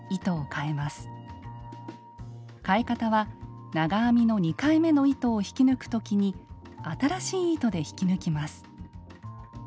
かえ方は長編みの２回目の糸を引き抜く時に新しい糸で引き抜きます。